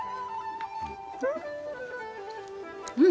うん！